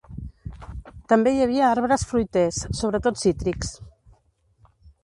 També hi havia arbres fruiters, sobretot cítrics.